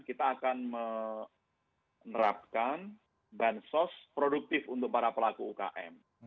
kita akan menerapkan bansos produktif untuk para pelaku ukm